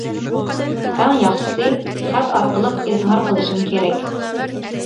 ئەڭ ياخشىسى خەت ئارقىلىق ئىزھار قىلىشىم كېرەك!